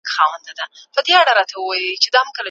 اقتصادي پلان بايد د هېواد له شرايطو سره سم وي.